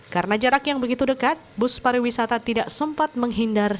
karena jarak yang begitu dekat bus pariwisata tidak sempat menghindar